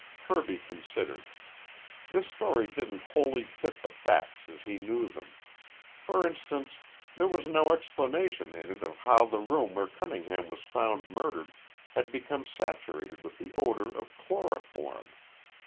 Kirby considered. This story didn't wholly fit the facts as he knew them. For instance, there was no explanation in it of how the room where Cunningham was found murdered had become saturated with the odor of chloroform.